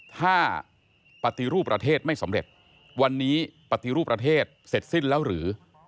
ถ้าปฏิรูปประเทศไม่สำเร็จวันนี้ปฏิรูปประเทศเสร็จสิ้นแล้วหรือ